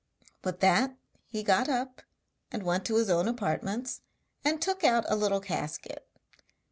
With that he got up and went to his own apartments and took out a little casket.